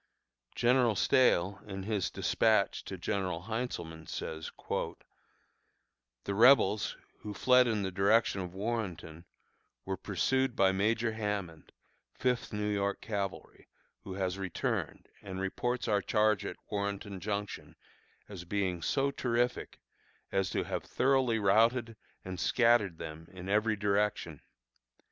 General Stahel, in his despatch to General Heintzelman, says: "The Rebels, who fled in the direction of Warrenton, were pursued by Major Hammond, Fifth New York Cavalry, who has returned, and reports our charge at Warrenton Junction as being so terrific as to have thoroughly routed and scattered them in every direction.